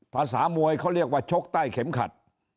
ภาษามวยเขาเรียกว่าชกใต้เข็มขัด